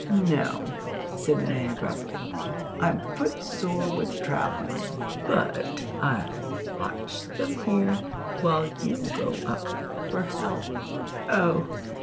"No," said the man, gruffly, "I'm footsore with travellin', but I'll watch them here while you go up for help." "Oh!